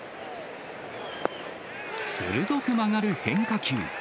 鋭く曲がる変化球。